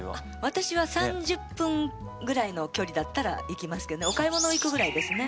私は３０分ぐらいの距離だったら行きますけどねお買い物行くぐらいですね。